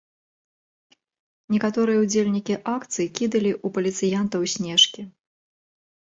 Некаторыя ўдзельнікі акцый кідалі ў паліцыянтаў снежкі.